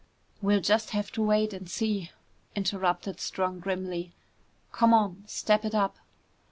"We'll just have to wait and see," interrupted Strong grimly. "Come on, step it up!"